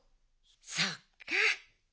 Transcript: そっか。